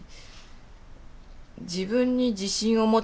「自分に自信をもて」。